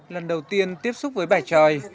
lần đầu tiên tiếp xúc với bài tròi